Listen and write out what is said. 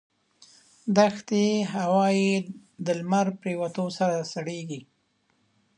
دښتي هوا یې د لمر پرېوتو سره سړېږي.